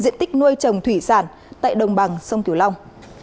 nuôi trồng thủy sản tại đồng bằng sông kiểu long